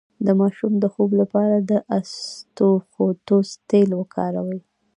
د ماشوم د خوب لپاره د اسطوخودوس تېل وکاروئ